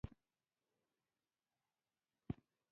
غریبانو هر څه له پوستکو سره وخوړل.